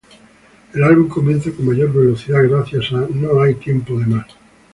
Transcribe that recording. El álbum comienza con mayor velocidad, gracias a "No hay tiempo de más".